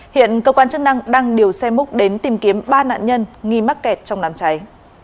hiện cơ quan chức năng đang điều xe múc đến tìm kiếm ba nạn nhân nghi mắc kẹt trong đám cháy